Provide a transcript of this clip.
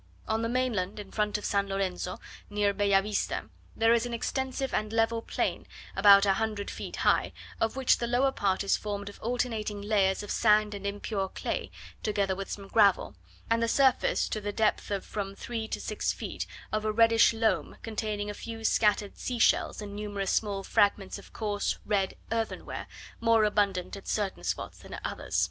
On the mainland in front of San Lorenzo, near Bellavista, there is an extensive and level plain about a hundred feet high, of which the lower part is formed of alternating layers of sand and impure clay, together with some gravel, and the surface, to the depth of from three to six feet, of a reddish loam, containing a few scattered sea shells and numerous small fragments of coarse red earthenware, more abundant at certain spots than at others.